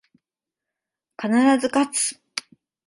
必ず、かつ